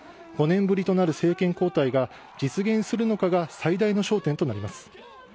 ５年ぶりとなる政権交代が実現するのかが最大の焦点となります。